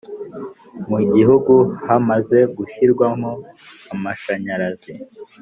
mugihugu hamaze gushyirwamo amashanyarazi